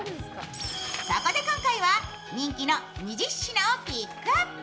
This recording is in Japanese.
そこで今回は、人気の２０品をピックアップ。